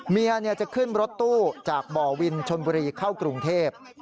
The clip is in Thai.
เมียจะขึ้นรถตู้จากบ่อวินชนบุรีเข้ากรุงเทพ